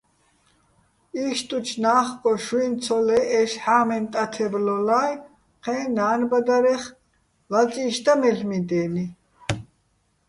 იშტუჩ ნა́ხგო შუჲნი̆ ცოლე́ჸეშ ჰ̦ა́მენ ტათებ ლოლა́ჲ, ჴე́ნო, ნა́ნბადარეხ, ლაწიში̆ და მელ'მი დე́ნი.